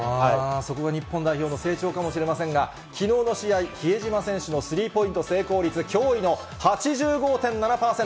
そこが日本代表の成長かもしれませんが、きのうの試合、比江島選手のスリーポイント成功率、驚異の８５．７％。